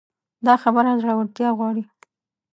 دا خبره زړورتيا غواړي.